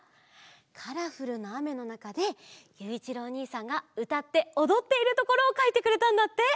カラフルなあめのなかでゆういちろうおにいさんがうたっておどっているところをかいてくれたんだって！